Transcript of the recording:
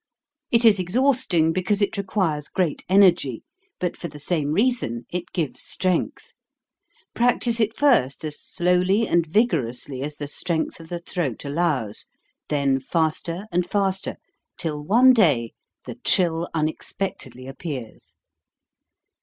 It is exhausting because it requires 260 HOW TO SING great energy; but for the same reason it gives strength. Practise it first as slowly and vigorously as the strength of the throat allows, then faster and faster, till one day the trill unexpectedly appears.